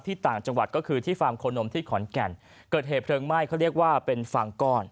ต่างจังหวัดก็คือที่ฟาร์มโคนมที่ขอนแก่นเกิดเหตุเพลิงไหม้เขาเรียกว่าเป็นฟางก้อน